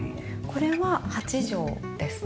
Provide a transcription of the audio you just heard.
これは８畳ですね。